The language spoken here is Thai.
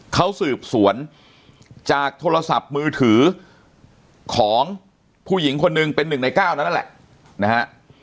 เขาสืบสวนจากโทรศัพท์มือถือของผู้หญิงคนหนึ่งเป็น๑ใน๙นั้นนั่นแหละนะฮะ